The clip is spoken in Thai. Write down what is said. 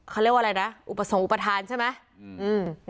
เขาเรียกว่าอะไรนะส่งอุปฐานใช่ไหม